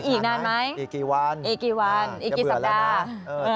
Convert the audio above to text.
อีกกี่วันอีกกี่สัปดาห์จะเบื่อแล้วนะเออ